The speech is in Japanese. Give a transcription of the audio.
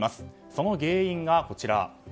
その原因がこちら。